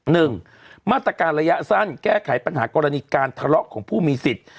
หนึ่งมาตรการระยะสั้นแก้ไขปัญหากรณีการทะเลาะของผู้มีสิทธิ์